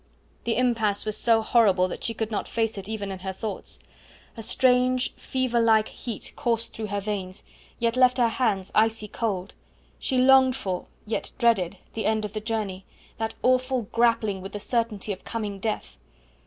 The impasse was so horrible that she could not face it even in her thoughts. A strange, fever like heat coursed through her veins, yet left her hands icy cold; she longed for, yet dreaded, the end of the journey that awful grappling with the certainty of coming death.